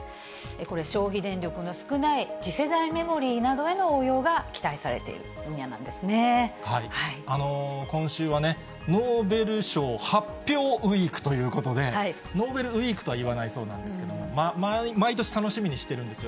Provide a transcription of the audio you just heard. これ、消費電力の少ない次世代メモリーなどへの応用が期待されている分今週はね、ノーベル賞発表ウイークということで、ノーベルウイークとはいわないそうなんですが、毎年、楽しみにしてるんですよ。